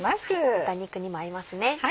豚肉にも合いますね。